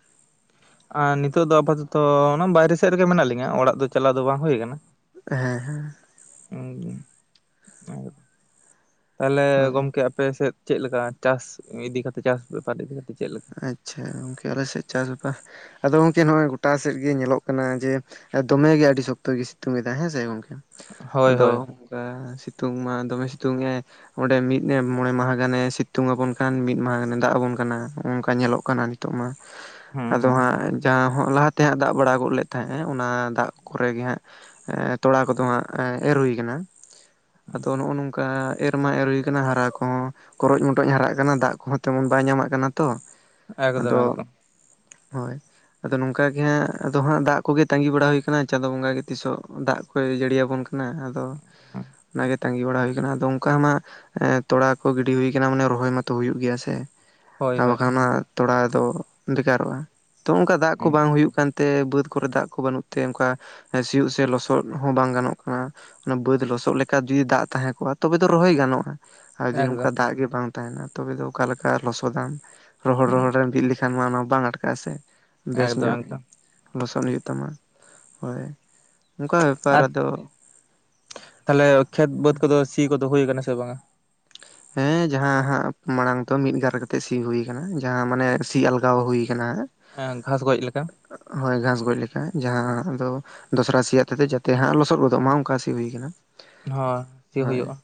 ᱟᱨ ᱱᱤᱛᱚᱜ ᱫᱚ ᱟᱯᱟᱛᱚᱛᱚ ᱚᱱᱟ ᱵᱟᱭᱨᱮ ᱥᱮᱫ ᱨᱮᱜᱮ ᱢᱮᱱᱟᱜ ᱞᱤᱧᱟᱹ ᱚᱲᱟᱜ ᱫᱚ ᱪᱟᱞᱟᱣ ᱫᱚ ᱵᱟᱝ ᱦᱳᱭ ᱠᱟᱱᱟ᱾ ᱦᱮᱸ ᱦᱮᱸ [unintelligible] ᱛᱟᱦᱞᱮ ᱦᱳᱭ ᱜᱚᱢᱠᱮ ᱟᱯᱮ ᱥᱮᱫ ᱪᱮᱫ ᱞᱮᱠᱟ ᱪᱟᱥ ᱤᱫᱤ ᱠᱟᱛᱮ ᱪᱟᱥ ᱵᱮᱯᱟᱨ ᱤᱫᱤ ᱠᱟᱛᱮ ᱪᱮᱫ ᱞᱮᱠᱟ? ᱟᱪᱪᱷᱟ ᱜᱚᱝᱠᱮ ᱟᱞᱮ ᱥᱮᱫ ᱪᱟᱥ ᱵᱟ, ᱟᱫᱚ ᱜᱚᱝᱠᱮ ᱱᱚᱜᱼᱚᱭ ᱜᱚᱴᱟ ᱥᱮᱫ ᱜᱮ ᱧᱮᱞᱚᱜ ᱠᱟᱱᱟ ᱡᱮ ᱫᱚᱢᱮ ᱜᱮ ᱟᱹᱰᱤ ᱥᱚᱠᱛᱚ ᱜᱮ ᱥᱤᱛᱩᱝ ᱮᱫᱟᱭ ᱦᱮᱸ ᱥᱮ ᱜᱚᱝᱠᱮ᱾ ᱦᱳᱭ ᱟᱫᱚ ᱦᱳᱭ ᱥᱤᱛᱩᱝ ᱢᱟ ᱫᱚᱢᱮ ᱥᱤᱛᱩᱝ ᱮᱜ-ᱟᱭ ᱚᱸᱰᱮ ᱢᱤᱫ ᱜᱮ ᱢᱚᱬᱮ ᱢᱟᱦᱟ ᱜᱟᱱᱮ ᱥᱤᱛᱩᱝ ᱟᱵᱚᱱ ᱠᱷᱟᱱ ᱢᱤᱫ ᱢᱟᱦᱟ ᱜᱟᱱᱮ ᱫᱟᱜ ᱟᱵᱚᱱ ᱠᱟᱱᱟ᱾ ᱚᱱᱠᱟ ᱧᱮᱞᱚᱜ ᱠᱟᱱᱟ ᱱᱤᱛᱚᱜ ᱢᱟ ᱦᱩᱸ ᱟᱫᱚ ᱦᱩᱸ ᱦᱟᱸᱜ ᱡᱟᱦᱟᱸ ᱦᱚᱸ ᱞᱟᱦᱟ ᱛᱮ ᱦᱟᱸᱜ ᱫᱟᱜ ᱵᱟᱲᱟ ᱜᱚᱫ ᱞᱮᱫ ᱛᱟᱦᱮᱸᱜ-ᱮ ᱚᱱᱟ ᱫᱟᱜ ᱠᱚᱨᱮ ᱜᱮ ᱦᱟᱸᱜ ᱮ ᱛᱚᱲᱟ ᱠᱚᱫᱚ ᱦᱟᱸᱜ ᱮᱨ ᱦᱩᱭ ᱠᱟᱱᱟ᱾ ᱟᱫᱚ ᱱᱚᱜᱼᱚᱭ ᱱᱚᱝᱠᱟ ᱮᱨᱢᱟ ᱮᱨ ᱦᱩᱭ ᱠᱟᱱᱟ, ᱦᱟᱨᱟ ᱠᱚᱦᱚᱸ ᱠᱚᱨᱚᱪ ᱢᱚᱴᱚᱡ ᱮ ᱦᱟᱨᱟᱜ ᱠᱟᱱᱟ᱾ ᱫᱟᱜ ᱠᱚᱦᱚᱸ ᱛᱮᱢᱚᱱ ᱵᱟᱭ ᱧᱟᱢᱟᱜ ᱠᱟᱱᱟ ᱛᱚ᱾ ᱮᱠᱫᱚᱢ ᱟᱫᱚ ᱮᱠᱫᱚᱢ ᱦᱳᱭ ᱟᱫᱚ ᱱᱚᱝᱠᱟ ᱜᱮ ᱦᱟᱸᱜ ᱫᱚ ᱦᱟᱸᱜ ᱫᱟᱜ ᱠᱚᱜᱮ ᱛᱟᱹᱜᱤ ᱵᱟᱲᱟ ᱦᱩᱭᱠᱟᱱᱟ᱾ ᱪᱟᱸᱫᱳ ᱵᱚᱸᱜᱟ ᱜᱮ ᱛᱤᱥ ᱦᱚᱸ ᱫᱟᱜ ᱠᱚᱭ ᱡᱟᱹᱲᱤᱭᱟᱵᱚᱱ ᱠᱟᱱᱟ᱾ ᱱᱟ ᱟᱫᱚ ᱚᱱᱟ ᱜᱮ ᱛᱟᱸᱜᱤ ᱵᱟᱲᱟ ᱦᱩᱭ ᱠᱟᱱᱟ᱾ ᱟᱫᱚ ᱚᱱᱠᱟ ᱢᱟ ᱮ-ᱮ ᱛᱳᱲᱟ ᱠᱚ ᱜᱤᱰᱤ ᱦᱩᱭ ᱠᱟᱱᱟ, ᱢᱟᱱᱮ ᱨᱚᱦᱚᱭ ᱢᱟᱛᱚ ᱦᱩᱭᱩᱜ ᱜᱮᱭᱟ ᱥᱮ ᱦᱳᱭ ᱟᱨ ᱦᱳᱭ ᱵᱟᱠᱷᱟᱱ ᱚᱱᱟ ᱛᱷᱚᱲᱟ ᱫᱚ ᱵᱮᱠᱟᱨᱚᱜᱼᱟ ᱛᱚ, ᱚᱱᱠᱟ ᱫᱟᱜ ᱠᱚ ᱦᱩᱸ ᱵᱟᱝ ᱦᱩᱭᱩᱜ ᱠᱟᱱ ᱛᱮ ᱵᱟᱹᱫᱽ ᱠᱚᱨᱮ ᱫᱟᱜ ᱠᱚ ᱵᱟᱹᱱᱩᱜ ᱛᱮ, ᱚᱱᱠᱟ ᱥᱤᱭᱳᱜ ᱥᱮ ᱞᱚᱥᱚᱫ ᱦᱚᱸ ᱵᱟᱝ ᱜᱟᱱᱚ ᱠᱟᱱᱟ᱾ ᱚᱱᱟ ᱵᱟᱹᱫ ᱞᱚᱥᱚᱫ ᱞᱮᱠᱟ ᱡᱩᱚᱫᱤ ᱫᱟᱜ ᱛᱟᱦᱮᱸ ᱠᱚᱜᱼᱟ᱾ ᱛᱚᱵᱮ ᱛᱚ ᱨᱚᱦᱚᱭ ᱜᱟᱱᱚᱼᱟ᱾ ᱟᱨ ᱡᱩᱫᱤ ᱱᱚᱝᱠᱟ ᱮᱠᱫᱚᱢ ᱫᱟᱜ ᱜᱮ ᱵᱟᱝ ᱛᱟᱦᱮᱱᱟ ᱛᱚᱵᱮ ᱫᱚ ᱚᱠᱟᱞᱮᱠᱟ ᱞᱚᱥᱚᱫᱟᱢ᱾ ᱨᱚᱦᱚᱲ ᱦᱩᱸ ᱨᱚᱦᱚᱲ ᱨᱮᱢ ᱵᱤᱫ ᱞᱮᱠᱷᱟᱱ ᱢᱟ ᱚᱱᱟ ᱵᱟᱝ ᱟᱴᱠᱟᱜᱼᱟ ᱥᱮ ᱵᱮᱥ ᱮᱠᱫᱚᱢ ᱧᱚᱜ ᱮᱠᱫᱚᱢ ᱞᱚᱥᱚᱫ ᱦᱩᱭᱩᱜ ᱛᱟᱢᱟ᱾ ᱦᱳᱭ ᱚᱱᱠᱟ ᱵᱮᱯᱟᱨ, ᱟᱫᱚ ᱛᱟᱞᱮ ᱠᱷᱮᱛ ᱵᱟᱹᱫᱽ ᱠᱚᱫᱚ ᱥᱤ ᱠᱚᱫᱚ ᱦᱳᱭ ᱠᱟᱱᱟ ᱥᱮ ᱵᱟᱝᱼᱟ? ᱦᱮᱸ ᱡᱟᱦᱟᱸ ᱦᱟᱸᱜ ᱢᱟᱲᱟᱝ ᱛᱚ ᱢᱤᱫᱜᱟᱨ ᱠᱟᱛᱮᱜ ᱥᱤ ᱦᱩᱭ ᱠᱟᱱᱟ ᱡᱟᱦᱟᱸ ᱢᱟᱱᱮ ᱥᱤ ᱟᱞᱜᱟᱣ ᱦᱩᱭ ᱠᱟᱱᱟ ᱦᱟᱸᱜ᱾ ᱦᱮ ᱜᱷᱟᱥ ᱜᱚᱡ ᱞᱮᱠᱟ᱾ ᱮ ᱦᱳᱭ ᱜᱷᱟᱥ ᱜᱚᱡ ᱞᱮᱠᱟ᱾ ᱡᱟᱦᱟᱸ ᱫᱚ ᱫᱚᱥᱨᱟ ᱥᱤ ᱟᱛᱮ ᱡᱟᱛᱮ ᱦᱟᱜ ᱞᱚᱥᱚᱫ ᱜᱚᱫᱚᱜ ᱢᱟ᱾ ᱚᱱᱠᱟ ᱥᱤ ᱦᱩᱭ ᱟᱠᱟᱱᱟ᱾ ᱦᱳᱭ ᱥᱤ ᱦᱳᱭ ᱦᱩᱭᱩᱜᱼᱟ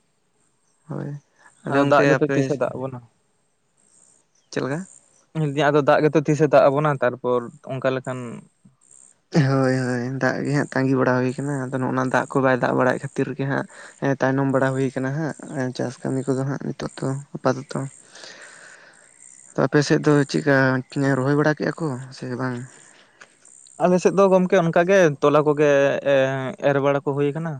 ᱦᱳᱭ ᱟᱫᱚ ᱜᱚᱝᱠᱮ ᱫᱟᱜ ᱜᱮᱛᱚ ᱟᱯᱮ ᱛᱤᱥᱮ ᱫᱟᱜ ᱟ ᱵᱚᱱᱟ᱾ ᱪᱮᱫ ᱞᱮᱠᱟ? ᱦᱚᱸ ᱫᱟᱜ ᱜᱮᱛᱚ ᱛᱤᱥᱮ ᱫᱟᱜ ᱟᱵᱚᱱᱟ ᱛᱟᱨᱯᱚᱨ ᱚᱱᱠᱟ ᱞᱮᱠᱟᱱ ᱦᱳᱭ ᱦᱳᱭ ᱫᱟᱜ ᱜᱮ ᱦᱟᱸᱜ ᱛᱟᱺᱜᱤ ᱵᱟᱲᱟ ᱦᱩᱭ ᱠᱟᱱᱟ, ᱟᱫᱚ ᱱᱚᱜᱼ ᱚᱭ ᱚᱱᱟ ᱫᱟᱜ ᱠᱚᱜᱮ ᱵᱟᱭ ᱫᱟᱜ ᱵᱟᱲᱟᱭᱮᱫ ᱠᱷᱟᱹᱛᱤᱨ ᱜᱮ ᱦᱟᱸᱜ᱾ ᱮ ᱛᱟᱭᱱᱚᱢ ᱵᱟᱲᱟ ᱦᱩᱭ ᱠᱟᱱᱟ ᱦᱟᱸᱜ᱾ ᱪᱟᱥ ᱠᱟᱹᱢᱤ ᱠᱚᱫᱚ ᱦᱟᱸᱜ ᱱᱤᱛᱚᱜ ᱫᱚᱚ ᱟᱯᱟᱛᱚᱛᱚ ᱛᱚ ᱟᱯᱮᱥᱮᱫ ᱫᱚ ᱪᱮᱫ ᱠᱟ ᱨᱚᱦᱚᱭ ᱵᱟᱲᱟ ᱠᱮᱼᱟ ᱠᱚ ᱥᱮ ᱵᱟᱝ? ᱟᱞᱮ ᱥᱮᱫ ᱫᱚ ᱜᱚᱝᱠᱮ ᱚᱱᱠᱟ ᱜᱮ ᱛᱚᱞᱟ ᱠᱚᱜᱮ ᱮ-ᱮ-ᱮᱨ ᱵᱟᱲᱟ ᱠᱚ ᱦᱩᱭ ᱠᱟᱱᱟ᱾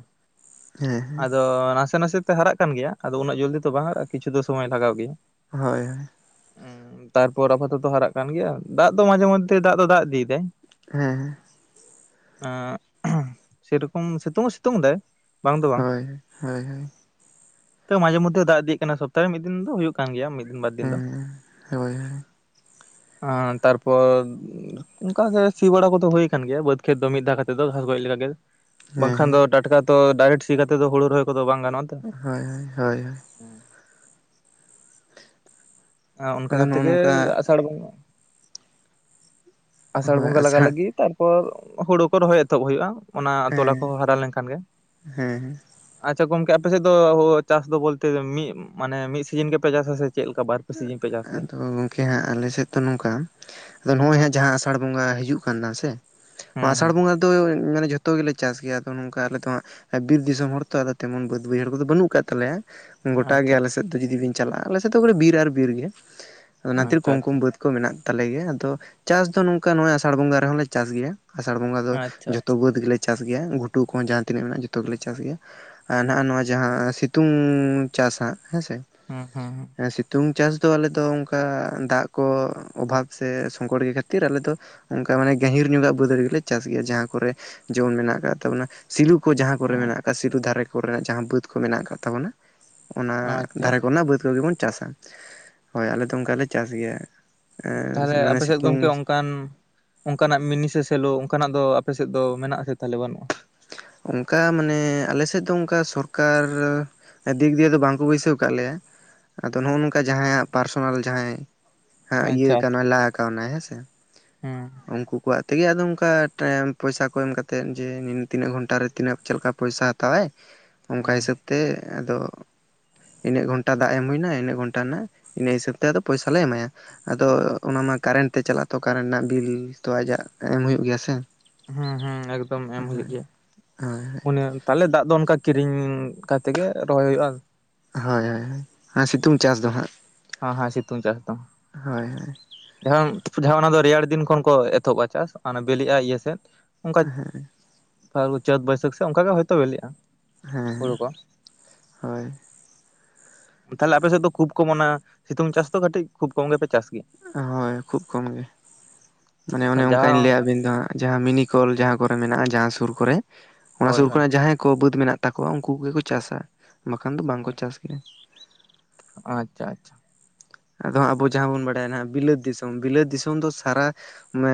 ᱦᱮᱸ ᱟᱫᱚ ᱱᱟᱥᱮ ᱱᱟᱥᱮ ᱛᱮ ᱦᱟᱨᱟᱜ ᱠᱟᱱ ᱜᱮᱭᱟ, ᱟᱫᱚ ᱩᱱᱟᱹᱜ ᱡᱚᱫᱤ ᱛᱚ ᱵᱟᱝ ᱦᱟᱨᱟᱜᱼᱟ ᱠᱤᱪᱷᱩ ᱫᱚ ᱥᱚᱢᱚᱭ ᱞᱟᱜᱟᱣ ᱜᱮᱭᱟ᱾ ᱦᱳᱭ ᱦᱳᱭ ᱦᱩ ᱛᱟᱨᱯᱚᱨ ᱟᱯᱟᱛᱚᱛᱚ ᱦᱟᱨᱟᱜ ᱠᱟᱱ ᱜᱮᱭᱟ, ᱫᱟᱜ ᱫᱚ ᱢᱟᱡᱷᱮ ᱢᱚᱫᱽᱷᱮ ᱫᱟᱜ ᱫᱚ ᱫᱟᱜ ᱤᱫᱤᱭᱮᱫᱟ᱾ ᱦᱮᱸ ᱦᱮᱸ ᱮ ᱥᱮᱨᱚᱠᱚᱢ ᱥᱤᱛᱩᱝ ᱦᱚᱸ ᱥᱤᱛᱩᱝ ᱮᱫᱟᱭ᱾ ᱦᱳᱭ ᱦᱳᱭ ᱦᱳᱭ ᱛᱚ ᱢᱟᱡᱷᱮ ᱢᱚᱫᱽᱫᱷᱮ ᱫᱟᱜ ᱤᱫᱤᱭᱮ ᱠᱟᱱᱟ ᱥᱚᱯᱛᱟᱦ ᱨᱮ ᱢᱤᱫ ᱫᱤᱱ ᱫᱚ ᱦᱩᱭᱩᱜ ᱠᱟᱱ ᱜᱮᱭᱟ ᱢᱤᱫ ᱫᱤᱱ ᱵᱟᱨ ᱫᱤᱱ ᱫᱚ ᱦᱮᱸ ᱦᱳᱭ ᱦᱳᱭ ᱚ ᱛᱟᱨᱯᱚᱨ ᱚᱝᱠᱟᱜᱮ ᱥᱤ ᱵᱟᱲᱟ ᱠᱚᱫᱚ ᱦᱩᱭ ᱟᱠᱟᱱ ᱜᱮᱭᱟ ᱵᱟᱹᱫᱽ ᱠᱷᱮᱛ ᱫᱚ ᱢᱤᱫ ᱫᱷᱟᱣ ᱠᱟᱛᱮᱫ ᱫᱚ ᱜᱷᱟᱥ ᱜᱚᱡ ᱞᱮᱠᱟ ᱜᱮ ᱵᱟᱝᱠᱷᱟᱱ ᱫᱚ ᱦᱮᱸ ᱴᱟᱴᱠᱟ ᱛᱚ ᱰᱟᱭᱨᱮᱠᱴ ᱥᱤ ᱠᱟᱛᱮᱫ ᱫᱚ ᱦᱚᱲᱳ ᱨᱚᱦᱚᱭᱠᱚᱫᱚ ᱵᱟᱝ ᱜᱟᱱᱚᱜ ᱛᱚ ᱦᱳᱭ ᱦᱳᱭ ᱦᱳᱭ ᱦᱳᱭ ᱚᱱᱠᱟ ᱟᱫᱚ ᱱᱚᱜᱼᱚ ᱛᱮᱜᱮ ᱱᱚᱝᱠᱟ ᱟᱥᱟᱲ ᱵᱚᱸᱜᱟ ᱟᱥᱟᱲ ᱵᱚᱸᱜᱟ ᱞᱟᱜᱟ ᱞᱟᱹᱜᱤᱫ ᱛᱟᱨᱯᱚᱨ ᱦᱩᱲᱩ ᱠᱚ ᱨᱚᱦᱚᱭ ᱮᱛᱚᱦᱚᱵ ᱦᱩᱭᱩᱜᱼᱟ᱾ ᱚᱱᱟ ᱛᱚᱞᱟ ᱠᱚ ᱦᱮᱸ ᱦᱟᱨᱟ ᱞᱮᱱᱠᱷᱟᱱ ᱜᱮ᱾ ᱦᱮᱸ ᱟᱪᱪᱷᱟ ᱜᱚᱝᱠᱮ ᱟᱯᱮᱥᱮᱫ ᱫᱚ-ᱚ ᱪᱟᱥ ᱫᱚ ᱵᱚᱞᱛᱮ ᱢᱤᱫ ᱢᱟᱱᱮ ᱢᱤᱫ ᱥᱤᱡᱤᱱ ᱜᱮᱯᱮ ᱪᱟᱥᱟ ᱟᱥᱮ ᱥᱮ ᱪᱮᱫ ᱞᱮᱠᱟ ᱵᱟᱨ ᱯᱮ ᱥᱤᱡᱤᱱ ᱯᱮ [unintelligible] ᱪᱟᱥ ᱜᱮᱭᱟ ᱟᱫᱚ ᱜᱚᱝ ᱠᱮ ᱦᱟᱸᱜ ᱟᱞᱮᱥᱮᱫ ᱛᱚ ᱱᱚᱝᱠᱟ ᱟᱫᱚ ᱱᱚᱦᱚᱭ ᱦᱟᱸᱜ ᱡᱟᱦᱟᱸ ᱟᱥᱟᱲ ᱵᱚᱸᱜᱟ ᱦᱤᱡᱩᱜ ᱠᱟᱱᱟ ᱥᱮ ᱱᱚᱣᱟ ᱦᱩᱸ ᱟᱥᱟᱲ ᱦᱩᱸ ᱵᱚᱸᱜᱟ ᱫᱚ ᱢᱟᱱᱮ ᱡᱷᱚᱛᱚ ᱜᱮᱞᱮ ᱪᱟᱥ ᱜᱮᱭᱟ ᱛᱚ ᱱᱚᱝᱠᱟ ᱟᱞᱮ ᱫᱚ ᱦᱟᱸᱜ, ᱟᱨ ᱵᱤᱨ ᱫᱤᱥᱚᱢ ᱦᱚᱲ ᱛᱚ ᱟᱫᱚ ᱛᱮᱢᱚᱱ ᱵᱟᱹᱫ ᱵᱟᱹᱭᱦᱟᱹᱲ ᱠᱚᱫᱚ ᱵᱟᱹᱱᱩᱜ ᱠᱟᱜ ᱛᱟᱞᱮᱭᱟ᱾ ᱜᱚᱴᱟ ᱜᱮ ᱟᱪᱪᱷᱟ ᱟᱞᱮ ᱥᱮᱫ ᱫᱚ ᱡᱩᱫᱤ ᱵᱤᱱ ᱪᱟᱞᱟᱜᱼᱟ᱾ ᱟᱞᱮ ᱥᱮᱫ ᱫᱚ ᱵᱤᱨ ᱟᱨ ᱵᱤᱨ ᱜᱮᱭᱟ᱾ ᱚᱱᱟ ᱛᱤᱨ ᱟᱪᱪᱷᱟ ᱠᱚᱢ ᱟᱪᱪᱷᱟ ᱠᱚᱢ ᱵᱟᱹᱫᱽ ᱠᱚ ᱢᱮᱱᱟᱜ ᱛᱟᱞᱮ ᱜᱮᱭᱟ ᱟᱫᱚ ᱪᱟᱥ ᱫᱚ ᱱᱚᱝᱠᱟ ᱱᱚᱜ ᱟᱥᱟᱲ ᱵᱚᱸᱜᱟ ᱨᱮᱦᱚᱸ ᱞᱮ ᱪᱟᱥ ᱜᱮᱭᱟ᱾ ᱟᱥᱟᱲ ᱵᱚᱸᱜᱟ ᱫᱚ ᱟᱪᱪᱷᱟ ᱡᱷᱚᱛᱚ ᱟᱪᱪᱷᱟ ᱵᱟᱹᱫᱽ ᱜᱮᱞᱮ [unintelligible] ᱪᱟᱥ ᱜᱮᱭᱟ, ᱜᱷᱩᱴᱩ ᱠᱚᱦᱚᱸ ᱡᱟᱦᱟᱸ ᱛᱤᱱᱟᱹᱜ ᱢᱮᱱᱟᱜᱼᱟ ᱡᱚᱛᱚ ᱜᱮᱞᱮ ᱪᱟᱥ ᱜᱮᱭᱟ᱾ ᱟᱨ ᱱᱟᱜ ᱱᱚᱣᱟ ᱡᱟᱦᱟᱸ ᱥᱤᱛᱩᱝ ᱪᱟᱥ ᱦᱟᱸ ᱦᱮᱸᱥᱮ᱾ ᱦᱮᱸ ᱦᱮᱸ ᱦᱮᱸ ᱥᱤᱛᱩᱝ ᱪᱟᱥ ᱫᱚ ᱟᱞᱮ ᱫᱚ ᱚᱱᱠᱟ ᱫᱟᱜ ᱠᱚ ᱚᱵᱷᱟᱵᱽ ᱥᱮ ᱥᱚᱝᱠᱚᱴ ᱜᱮ ᱠᱷᱟᱹᱛᱤᱨ ᱟᱞᱮ ᱫᱚ ᱚᱱᱠᱟ ᱢᱟᱱᱮ ᱜᱟᱹᱦᱤᱨ ᱧᱚᱜᱟᱜ ᱵᱟᱹᱫᱽ ᱨᱮ ᱜᱮᱞᱮ ᱪᱟᱥ ᱜᱮᱭᱟ᱾ ᱡᱟᱦᱟᱸ ᱠᱚᱨᱮᱜ ᱡᱮᱢᱚᱱ ᱢᱮᱱᱟᱜ ᱠᱟᱜ ᱛᱟᱵᱚᱱᱟ ᱥᱤᱞᱩᱯ ᱠᱚ ᱡᱟᱦᱟᱸ ᱠᱚᱨᱮ ᱦᱩᱸ ᱢᱮᱱᱟᱜ ᱟᱠᱟᱫ ᱥᱤᱨᱩ ᱫᱷᱟᱨᱮ ᱠᱚᱨᱮᱱᱟᱜ ᱡᱟᱦᱟᱸ ᱵᱟᱹᱫᱽ ᱠᱚ ᱢᱮᱱᱟᱜ ᱟᱠᱟᱫ ᱛᱟᱵᱚᱱᱟ᱾ ᱚᱱᱟ ᱟᱪᱪᱷᱟ ᱫᱷᱟᱨᱮ ᱟᱪᱪᱷᱟ ᱠᱚᱨᱮᱱᱟᱜ ᱵᱟᱹᱫᱽ ᱠᱚᱜᱮ ᱵᱚᱱ ᱪᱟᱥᱟ, ᱦᱳᱭ ᱟᱞᱮ ᱫᱚ ᱚᱱᱠᱟᱞᱮ ᱪᱟᱥ ᱜᱮᱭᱟ᱾ ᱛᱟᱦᱚᱞᱮ ᱢᱟᱱᱮ ᱟᱯᱮ ᱥᱮᱫ ᱜᱚᱢᱠᱮ [unintelligible] ᱥᱤᱛᱩᱝ ᱠᱟᱱ ᱚᱱᱠᱟᱱ ᱚᱱᱠᱟᱱᱟᱜ ᱢᱤᱱᱤᱥᱮ ᱥᱮᱞᱚ ᱚᱱᱠᱟᱱᱟᱜ ᱫᱚ ᱟᱯᱮᱥᱮᱫ ᱫᱚ ᱢᱮᱱᱟᱜᱼᱟ ᱥᱮ ᱛᱟᱦᱚᱞᱮ ᱵᱟᱹᱱᱩᱜᱼᱟ? ᱚᱱᱠᱟ ᱢᱟᱱᱮ ᱟᱞᱮ ᱥᱮᱫ ᱫᱚ ᱚᱱᱠᱟ ᱥᱚᱨᱠᱟᱨ ᱫᱤᱠ ᱫᱤᱭᱮ ᱫᱚ ᱵᱟᱝᱠᱚ ᱵᱟᱹᱭᱥᱟᱹᱣ ᱟᱠᱟᱫ ᱞᱮᱭᱟ, ᱟᱫᱚ ᱱᱚᱜᱼᱚ ᱱᱚᱝᱠᱟ ᱚᱱᱠᱟ ᱡᱟᱦᱟᱸᱭᱟᱜ ᱯᱟᱨᱥᱚᱱᱟᱞ ᱡᱟᱦᱟᱸᱭ ᱤᱭᱟᱹ ᱠᱟᱱᱟᱭ ᱞᱟ ᱠᱟᱣᱱᱟᱭ ᱦᱮᱸ ᱥᱮ, ᱦᱮᱸ ᱩᱱᱠᱩᱣᱟᱜ ᱛᱮᱜᱮ ᱟᱫᱚ ᱚᱱᱠᱟ ᱯᱚᱭᱥᱟ ᱠᱚ ᱮᱢ ᱠᱟᱛᱮᱜ ᱡᱮ, ᱛᱤᱱᱟᱹᱜ ᱜᱷᱚᱱᱴᱟᱮ ᱛᱤᱱᱟᱹᱜ ᱪᱮᱫᱠᱟ ᱯᱚᱭᱥᱟ ᱦᱟᱛᱟᱣᱟᱭ᱾ [inaudible] ᱚᱱᱠᱟ ᱦᱤᱥᱟᱹᱵᱽ ᱛᱮ ᱟᱫᱚ ᱤᱱᱟᱹᱜ ᱜᱷᱚᱱᱴᱟ ᱫᱟᱜ ᱮᱢ ᱦᱩᱭᱮᱱᱟ ᱤᱱᱟᱹᱜ ᱜᱷᱚᱱᱴᱟ ᱨᱮᱱᱟᱜ ᱤᱱᱟᱹ ᱦᱤᱥᱟᱹᱵᱽ ᱛᱮ ᱟᱫᱚ ᱯᱚᱭᱥᱟ ᱞᱮ ᱮᱢᱟᱭᱟ᱾ ᱟᱫᱚ ᱚᱱᱟᱢᱟ ᱠᱟᱨᱮᱱᱴ ᱛᱮ ᱪᱟᱞᱟᱜᱼᱟ, ᱛᱚ ᱠᱟᱨᱮᱱᱴ ᱨᱮᱱᱟᱜ ᱵᱤᱞ ᱛᱚ ᱟᱡᱟᱜ ᱮᱢ ᱦᱩᱭᱩᱜ ᱜᱮᱭᱟ ᱥᱮ᱾ ᱦᱩᱸ ᱦᱩᱸ ᱮᱠᱫᱚᱢ ᱮᱢ ᱦᱩᱭᱩᱜ ᱜᱮᱭᱟ ᱦᱳᱭ ᱩ [unintelligible] ᱛᱟᱦᱚᱞᱮ ᱫᱟᱜ ᱫᱚ ᱚᱱᱠᱟ ᱠᱤᱨᱤᱧ ᱠᱟᱛᱮᱜ ᱜᱮ ᱨᱚᱦᱚᱭ ᱦᱩᱭᱩᱜᱼᱟ᱾ ᱦᱳᱭ ᱦᱳᱭ ᱟᱨ ᱦᱩᱸ ᱥᱤᱛᱩᱝ ᱪᱟᱥ ᱫᱚ ᱦᱟᱸᱜ ᱦᱮᱸ ᱦᱮᱸ ᱥᱤᱛᱩᱝ ᱪᱟᱥ ᱫᱚ ᱦᱳᱭ ᱦᱳᱭ ᱡᱟᱦᱟᱸ ᱡᱟᱦᱟᱸ ᱚᱱᱟ ᱫᱚ ᱨᱮᱭᱟᱲ ᱫᱤᱱ ᱠᱷᱚᱱ ᱠᱚ ᱮᱛᱚᱦᱚᱵᱟᱼᱟ, ᱪᱟᱥ [inaudible] ᱚᱱᱟ ᱵᱤᱞᱤᱜᱼᱟ ᱤᱭᱟᱹ ᱥᱮᱫ᱾ ᱚᱱᱠᱟ ᱯᱷ [inaudible] ᱪᱟᱹᱛ ᱵᱟᱹᱭᱥᱟᱹᱠᱷ ᱥᱮ ᱚᱱᱠᱟᱜᱮ ᱦᱚᱳᱭᱛᱳ ᱵᱤᱞᱤᱜᱼᱟ᱾ ᱦᱮᱸ ᱦᱩᱲᱩ ᱠᱚ ᱦᱳᱭ ᱛᱟᱦᱚᱞᱮ ᱟᱯᱮ ᱥᱮᱫ ᱫᱚ ᱠᱷᱩᱵᱽ ᱠᱚᱢᱚᱱᱟ ᱥᱤᱛᱩᱝ ᱪᱟᱥ ᱫᱚ ᱠᱟᱹᱴᱤᱡ ᱠᱷᱩᱵᱽ ᱠᱚᱢ ᱜᱮᱯᱮ ᱪᱟᱥ ᱦᱳᱭ ᱠᱷᱩᱵᱽ ᱠᱚᱢ ᱜᱮ ᱢᱟᱱᱮ ᱚᱱᱮ ᱜᱮᱭᱟ ᱚᱱᱠᱟᱧ ᱡᱟᱦᱟᱸ ᱞᱟᱹᱭᱟᱫ ᱵᱤᱱ ᱫᱚ ᱦᱟᱸᱜ᱾ ᱡᱟᱦᱟᱸ ᱢᱤᱱᱤᱠᱚᱞ ᱡᱟᱦᱟᱸ ᱠᱚᱨᱮ ᱢᱮᱱᱟᱜᱼᱟ, ᱡᱟᱦᱟᱸ ᱥᱩᱨ ᱠᱚᱨᱮ, ᱚᱱᱟ ᱦᱳᱭ ᱥᱩᱨ ᱦᱳᱭ ᱠᱚᱨᱮ ᱡᱟᱦᱟᱸᱭ ᱠᱚ ᱵᱟᱹᱫᱽ ᱢᱮᱱᱟᱜ [unintelligible] ᱛᱟᱠᱚᱣᱟ ᱩᱱᱠᱩ ᱠᱚᱜᱮ ᱠᱚ ᱪᱟᱥᱟ, ᱵᱟᱠᱷᱟᱱ ᱫᱚ ᱵᱟᱝᱠᱚ ᱪᱟᱥ ᱜᱮᱭᱟ᱾ ᱟᱪᱪᱷᱟ, ᱟᱪᱪᱷᱟ᱾ ᱟᱫᱚᱜ ᱟᱵᱚ ᱡᱟᱦᱟᱸ ᱵᱚᱱ ᱵᱟᱲᱟᱭᱟ ᱱᱟᱦᱟᱸᱜ ᱵᱤᱞᱟᱹᱛ ᱫᱤᱥᱚᱢ, ᱵᱤᱞᱟᱹᱛ ᱫᱤᱥᱚᱢ ᱫᱚ ᱥᱟᱨᱟ ᱢᱮ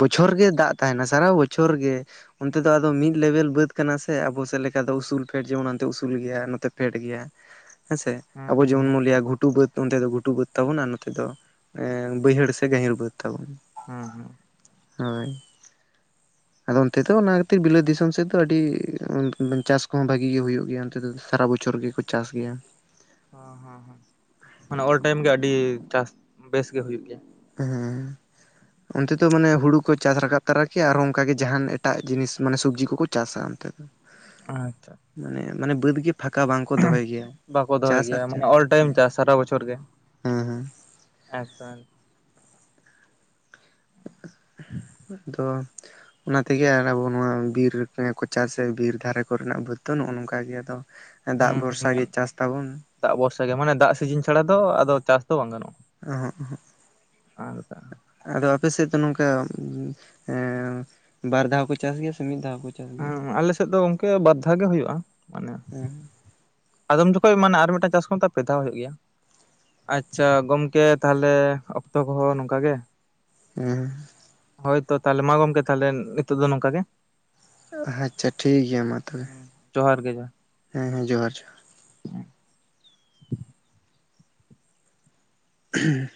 ᱵᱚᱪᱷᱚᱨ ᱜᱮ ᱫᱟᱜ ᱛᱟᱦᱮᱱᱟ ᱥᱟᱨᱟ ᱵᱚᱪᱷᱚᱨ ᱜᱮ᱾ ᱚᱱᱛᱮ ᱫᱚ ᱟᱫᱚ ᱢᱤᱫ ᱞᱮᱵᱮᱞ ᱵᱟᱹᱫ ᱠᱟᱱᱟ ᱥᱮ, ᱟᱵᱚ ᱥᱮᱫ ᱞᱮᱠᱟ ᱫᱚ ᱩᱥᱩᱞ ᱯᱷᱮᱰ ᱡᱮᱢᱚᱱ ᱚᱱᱛᱮ ᱩᱥᱩᱞ ᱜᱮᱭᱟ ᱱᱚᱛᱮ ᱯᱷᱮᱰ ᱜᱮᱭᱟ᱾ [unintelligible] [inaudible] ᱦᱮᱸᱥᱮ, ᱦᱩᱸ ᱟᱵᱚ ᱦᱩᱸ ᱡᱮᱢᱚᱱ ᱵᱚᱱ ᱞᱮᱭᱟ ᱜᱷᱴᱩ ᱵᱟᱹᱫ ᱚᱱᱛᱮ ᱫᱚ ᱜᱷᱩ ᱜᱷᱩᱴᱩ ᱵᱟᱹᱫᱽ ᱛᱟᱵᱚᱱ ᱟᱨ ᱱᱚᱛᱮ ᱫᱚ, ᱮ ᱵᱟᱹᱭᱦᱟᱹᱲ ᱥᱮ ᱜᱟᱹᱦᱤᱨ ᱵᱟᱹᱫ ᱛᱟᱵᱚᱱ᱾ ᱦᱩᱸ, ᱦᱩᱸ, ᱦᱳᱭ, [unintelligible] [inaudible] ᱟᱫᱚ ᱚᱱᱛᱮ ᱫᱚ ᱚᱱᱟ ᱠᱷᱟᱹᱛᱤᱨ ᱵᱤᱞᱟᱹᱛ ᱫᱤᱥᱚᱢ ᱥᱮᱫ ᱫᱚ ᱟᱹᱰᱤ, ᱪᱟᱥ ᱠᱚᱦᱚᱸ ᱵᱷᱟᱜᱤ ᱜᱮ ᱦᱩᱭᱩᱜ ᱜᱮᱭᱟ ᱚᱱᱛᱮ ᱫᱚ ᱥᱟᱨᱟ ᱵᱚᱪᱷᱚᱨ ᱜᱮᱠᱚ ᱪᱟᱥ ᱜᱮᱭᱟ, ᱦᱚ, ᱦᱮᱸ, ᱦᱮᱸ, ᱢᱟᱱᱮ ᱚᱞ ᱴᱟᱭᱤᱢ ᱜᱮ ᱟᱹᱰᱤ ᱪᱟᱥ ᱵᱮᱥ ᱜᱮ ᱦᱩᱭᱩᱜ ᱜᱮᱭᱟ᱾ ᱦᱮᱸ, ᱚᱱᱛᱮ ᱫᱚ ᱢᱟᱱᱮ ᱦᱩᱲᱩ ᱠᱚ ᱪᱟᱥ ᱨᱟᱠᱟᱵ ᱛᱟᱨᱟ ᱠᱮᱭᱟ, ᱟᱨᱦᱚ ᱚᱱᱠᱟ ᱜᱮ ᱡᱟᱦᱟᱱ ᱮᱴᱟᱜ ᱡᱤᱱᱤᱥ ᱢᱟᱱᱮ ᱥᱚᱵᱽᱡᱤ ᱠᱚᱠᱚ ᱪᱟᱥᱟ ᱚᱱᱛᱮ ᱫᱚ ᱾ ᱟᱪᱪᱷᱟ, ᱢᱟᱱᱮ, ᱢᱟᱱᱮ ᱵᱟᱹᱫᱽ ᱜᱮ ᱯᱷᱟᱸᱠᱟ ᱵᱟᱝ ᱵᱟᱠᱚ ᱫᱚᱦᱚᱭ ᱜᱮᱭᱟ, ᱢᱟᱱᱮ ᱚᱞ ᱴᱟᱭᱤᱢ ᱪᱟᱥ ᱥᱟᱨᱟ ᱵᱚᱪᱷᱚᱨ ᱜᱮ᱾ ᱦᱮᱸ ᱦᱮᱸ ᱮᱛᱚ [unintelligible] ᱟᱨ [inaudible] [inaudible] ᱟᱫᱚ ᱚᱱᱟ ᱛᱮᱜᱮ ᱟᱨ ᱟᱵᱚ ᱱᱚᱣᱟ ᱵᱤᱨ ᱠᱚᱪᱟ ᱥᱮ, ᱵᱤᱨ ᱫᱷᱟᱨᱮ ᱠᱚᱨᱮᱱᱟᱜ ᱵᱟᱹᱫᱽ ᱫᱚ, ᱱᱚᱜᱼᱚ ᱱᱚᱝᱠᱟ ᱜᱮ ᱟᱫᱚ ᱫᱟᱜ ᱦᱩᱸ ᱵᱷᱚᱨᱥᱟ ᱜᱮ, ᱦᱩᱸ ᱪᱟᱥ ᱛᱟᱵᱚᱱ᱾ ᱫᱟᱜ ᱵᱷᱚᱨᱥᱟ ᱜᱮ, ᱢᱟᱱᱮ ᱫᱟᱜ ᱥᱤᱡᱤᱱ ᱪᱷᱟᱲᱟ ᱫᱚ ᱟᱫᱚ, ᱪᱟᱥ ᱫᱚ ᱵᱟᱝ ᱜᱟᱱᱚᱜᱼᱟ? ᱚ ᱦᱚᱸ, ᱚ ᱦᱚᱸ, ᱟᱨ ᱫᱟ ᱟᱫᱚ ᱟᱯᱮᱥᱮᱫ ᱫᱚ ᱱᱚᱝᱠᱟ, ᱮᱸ, ᱵᱟᱨ ᱫᱷᱟᱣ ᱠᱚ ᱪᱟᱥ ᱜᱮᱭᱟ ᱥᱮ, ᱢᱤᱫ ᱫᱷᱟᱣ ᱠᱚ ᱪᱟᱥ ᱜᱮᱭᱟ? ᱦᱮᱸ, ᱟᱞᱮᱥᱮᱫ ᱫᱚ ᱜᱚᱢᱠᱮ, ᱵᱟᱨᱫᱷᱟ ᱜᱮ ᱦᱳᱭᱳᱜᱼᱟ ᱢᱟᱱᱮ ᱦᱩᱸ [unintelligible] ᱟᱫᱚᱢ ᱡᱚᱠᱷᱚᱡ ᱢᱟᱱᱮ, ᱟᱨ ᱢᱤᱫᱴᱟᱱ ᱪᱟᱥ ᱠᱚᱛᱮ, ᱯᱮ ᱫᱷᱟᱣ ᱦᱳᱭᱳᱜ ᱜᱮᱭᱟ᱾ ᱟᱪᱪᱷᱟ ᱜᱚᱝᱠᱮ ᱛᱟᱦᱚᱞᱮ ᱚᱠᱛᱚ ᱠᱚᱦᱚᱸ ᱱᱚᱝᱠᱟ ᱜᱮ ᱦᱮᱸ, ᱦᱳᱭ ᱛᱚ ᱛᱟᱦᱚᱞᱮ ᱢᱟ ᱜᱚᱢᱠᱮ, ᱛᱟᱦᱚᱞᱮ ᱱᱤᱛᱚᱜ ᱫᱚ ᱱᱚᱝᱠᱟ ᱜᱮ, ᱟᱪᱪᱷᱟ ᱴᱷᱤᱠ ᱜᱮᱭᱟ ᱢᱟ ᱛᱚᱵᱮ᱾ ᱦᱩᱸ ᱡᱚᱦᱟᱨ ᱜᱮ ᱡᱚᱦᱟᱨ ᱦᱮᱸ, ᱦᱮᱸ, ᱡᱚᱦᱟᱨ, ᱡᱚᱦᱟᱨ ᱦ [unintelligible] [inaudible] ᱦᱮᱸ [unintelligible] [unintelligible]